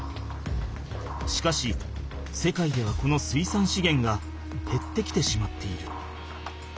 しかし世界ではこの水産資源がへってきてしまっている。